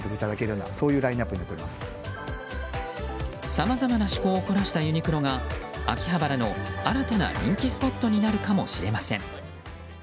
さまざまな趣向を凝らしたユニクロが秋葉原の新たな人気スポットになるかもしれません。